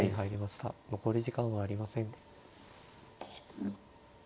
残り時間はありません。